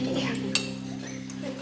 kita masih berdua